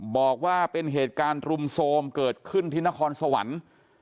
บอกว่าเป็นเหตุการณ์รุมโทรมเกิดขึ้นที่นครสวรรค์